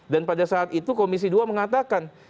dan pada saat itu komisi dua mengatakan